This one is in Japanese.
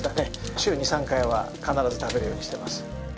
週２３回は必ず食べるようにしてます。